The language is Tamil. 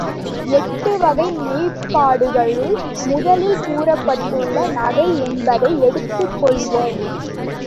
எட்டு வகை மெய்ப்பாடுகளுள் முதலில் கூறப்பட்டுள்ள நகை என்பதை எடுத்துக் கொள்வோம்.